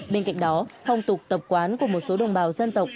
bên cạnh đó phong tục tập quán của một số đồng bào dân tộc